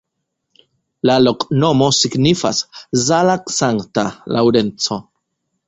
La loknomo signifas: Zala-Sankta Laŭrenco.